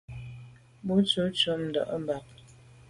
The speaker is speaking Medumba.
Mfan bon tshob ntùm ndà.